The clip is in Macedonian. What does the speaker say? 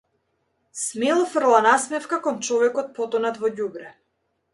Смело фрла насмевка кон човекот потонат во ѓубре.